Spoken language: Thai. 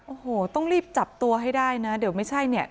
โอ้โหต้องรีบจับตัวให้ได้นะเดี๋ยวไม่ใช่เนี่ย